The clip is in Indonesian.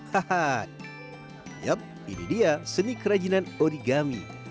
haha yup ini dia seni kerajinan origami